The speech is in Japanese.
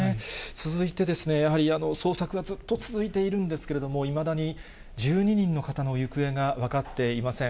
続いてですね、やはり捜索がずっと続いているんですけれども、いまだに１２人の方の行方が分かっていません。